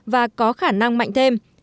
và có khả năng mạnh thêm